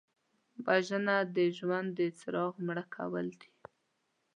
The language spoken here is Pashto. وژنه د ژوند د څراغ مړ کول دي